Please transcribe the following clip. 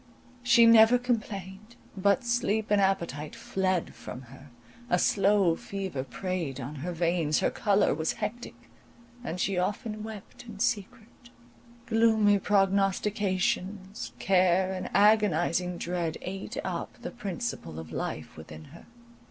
She never complained, but sleep and appetite fled from her, a slow fever preyed on her veins, her colour was hectic, and she often wept in secret; gloomy prognostications, care, and agonizing dread, ate up the principle of life within her.